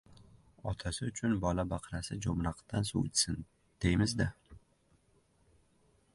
Otasi uchun bola-baqrasi jo‘mraqdan suv ichsin, deymiz-da.